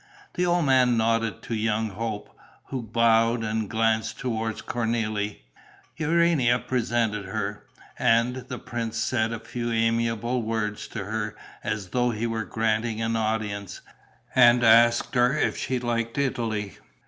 The old man nodded to young Hope, who bowed, and glanced towards Cornélie. Urania presented her. And the prince said a few amiable words to her, as though he were granting an audience, and asked her if she liked Italy.